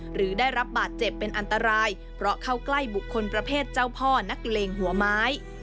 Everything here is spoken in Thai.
หรือได้รับบาดเจ็บเป็นอันตรายเพราะเข้าใกล้บุคคลประเภทเจ้าพ่อนักเลงหัวไม้